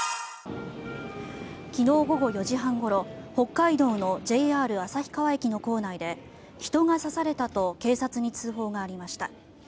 昨日午後４時半ごろ北海道のＪＲ旭川駅の構内で人が刺されたと警察に通報がありました。